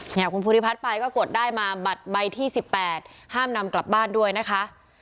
เนี่ยคุณภูริพัฒน์ไปก็กดได้มาบัตรใบที่๑๘ห้ามนำกลับบ้านด้วยนะคะ